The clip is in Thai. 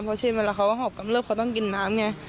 เพราะเช่นเวลาเขาหอบกำเริบเขาต้องกินน้ำไง